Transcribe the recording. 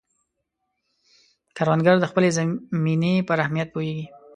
کروندګر د خپلې زمینې پر اهمیت پوهیږي